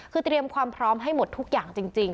คือเตรียมความพร้อมให้หมดทุกอย่างจริง